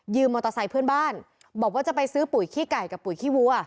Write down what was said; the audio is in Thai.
มอเตอร์ไซค์เพื่อนบ้านบอกว่าจะไปซื้อปุ๋ยขี้ไก่กับปุ๋ยขี้วัว